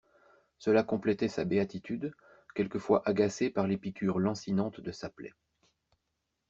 Cela complétait sa béatitude, quelquefois agacée par les piqûres lancinantes de sa plaie.